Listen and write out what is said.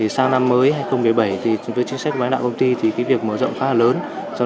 sau năm mới hai nghìn một mươi bảy với chính sách của bán đạo công ty việc mở rộng khá là lớn